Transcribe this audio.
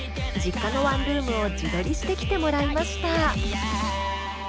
実家のワンルームを自撮りしてきてもらいました。